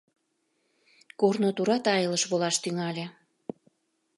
Корно тура тайылыш волаш тӱҥале.